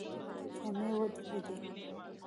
خيمې ودرېدې.